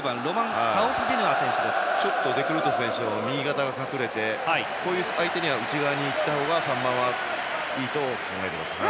デグルート選手の右肩が落ちてこういう相手には内側に行ったほうがいいと考えていますね。